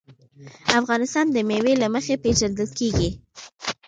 افغانستان د مېوې له مخې پېژندل کېږي.